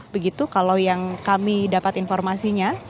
begitu kalau yang kami dapat informasinya